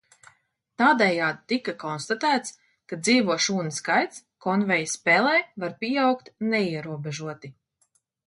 Tādējādi tika konstatēts, ka dzīvo šūnu skaits Konveja spēlē var pieaugt neierobežoti.